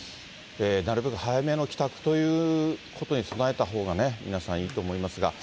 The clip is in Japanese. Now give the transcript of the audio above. なるべく早めの帰宅ということに備えたほうがね、皆さんいいと思いますが。